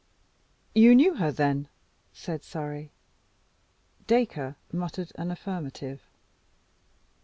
"You knew her, then?" said Surrey. Dacre muttered an affirmative.